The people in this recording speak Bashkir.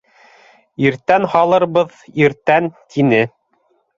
Иртән һалырбыҙ, иртән, — тине.